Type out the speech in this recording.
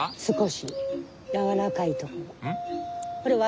少しやわらかいとこ。